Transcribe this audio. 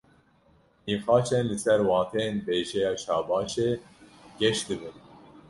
Nîqaşên li ser wateyên bêjeya "şabaş"ê geş dibin